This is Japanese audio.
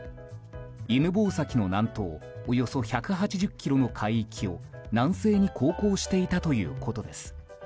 犬吠埼の南東およそ１８０ｋｍの海域を南西に航行していたということです。